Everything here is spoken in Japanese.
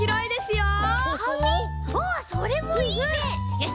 おっそれもいいね！